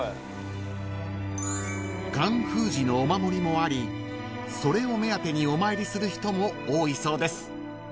［がん封じのお守りもありそれを目当てにお参りする人も多いそうです］